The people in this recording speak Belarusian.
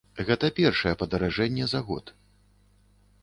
Гэта першае падаражэнне за год.